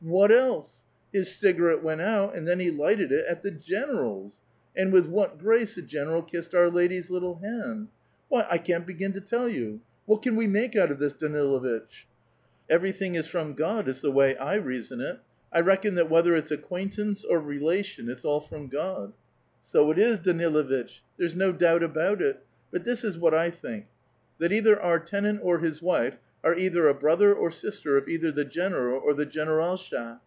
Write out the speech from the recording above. what else? His cigarette went out, and then he lighted it at the general's ! And with what grace the general kissed our lady's little hand ! why, I can't begin to tell vou ! What can we make out of this, Daniluitch? "" Evervthin": is from God, is the wav I reason it ; I reckon that whether it's acquaintance or relation, it's all from God." " So it is, Daniluitch ; there's no doubt about it ; but this is what I think : that either our tenant or bis wife are either a brother or a sifeter of either tbe general or the generdJsha.